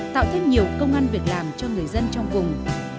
tạo thêm nhiều công ăn việc làm cho người dân trong cùng